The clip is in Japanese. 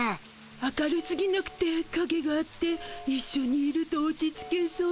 明るすぎなくてかげがあっていっしょにいると落ち着けそう。